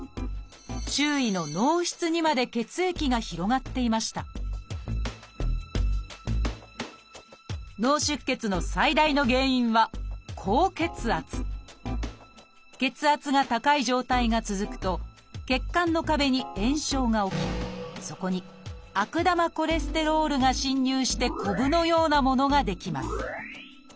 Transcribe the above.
周囲の「脳室」にまで血液が広がっていました脳出血の最大の原因は血圧が高い状態が続くと血管の壁に炎症が起きそこに悪玉コレステロールが侵入してこぶのようなものが出来ます。